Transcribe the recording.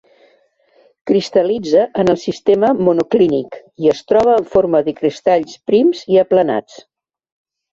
Cristal·litza en el sistema monoclínic, i es troba en forma de cristalls prims i aplanats.